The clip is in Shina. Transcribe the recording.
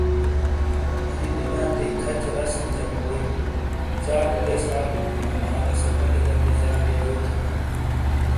ا نی دُناتیٔی کھچے رَسمی جا پوئی جالو دیس آلو تو ما مالیسے بالی گہ دیجارے یو تھینا ۔